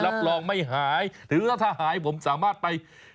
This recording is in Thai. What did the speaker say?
รับรองไม่หายถึงแล้วถ้าหายผมสามารถไป